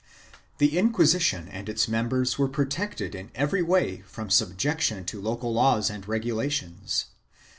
1 The Inquisition and its members were protected in every way from subjection to local laws and regulations.